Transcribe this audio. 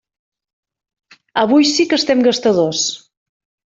Avui sí que estem gastadors!